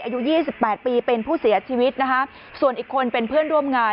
อายุยี่สิบแปดปีเป็นผู้เสียชีวิตนะคะส่วนอีกคนเป็นเพื่อนร่วมงาน